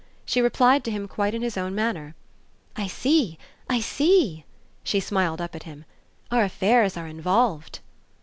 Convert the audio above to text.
She replied to him quite in his own manner: "I see, I see." She smiled up at him. "Our affairs are involved."